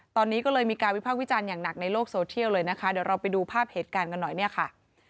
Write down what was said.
ตอนนี้ก็เลยมีการวิพากษ์วิจารณ์อย่างหนักในโลกโซเทียลเลยนะคะเดี๋ยวเราไปดูภาพเหตุการณ์กันหน่อยเนี่ยค่ะ